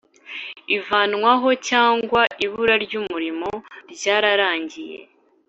ivanwaho cyangwa ibura ry umurimo ryararangiye